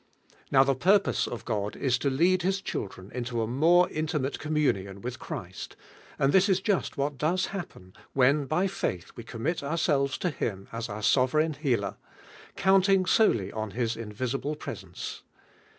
Now the purpose of God is to Icinl Ills Hiil'lreu into a more inli mate communion with Christ, and this is just what does happen, when by faith we commit ourselves to Him as our soverign healer, counting solely on His invis ible presence.